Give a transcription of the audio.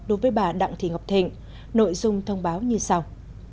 đối với bà đặng thị ngọc thịnh nội dung thông báo như sau